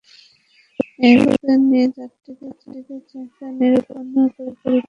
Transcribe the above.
এরপর বিশেষজ্ঞদের নিয়ে যাত্রীদের চাহিদা নিরূপণ করে পরিকল্পনা অনুযায়ী কাজ করা দরকার।